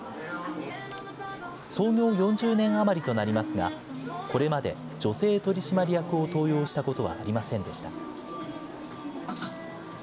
創業４０年余りとなりますが、これまで女性取締役を登用したことはありませんでした。